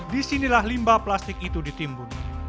disinilah limbah plastik itu ditimbun